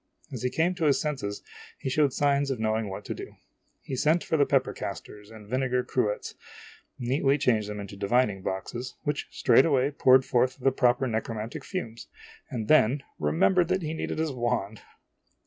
As he came to his senses, he showed siijns of knowing what to do. He <_> O sent for the pepper casters and vinegar cruets, neatly changed them into divining boxes, which straightway poured forth the proper necromantic fumes, and then remembered that he needed his wand